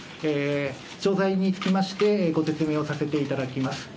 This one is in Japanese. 詳細につきまして、ご説明をさせていただきます。